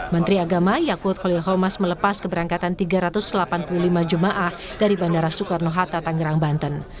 menteri agama yakut khalil khomas melepas keberangkatan tiga ratus delapan puluh lima jemaah dari bandara soekarno hatta tangerang banten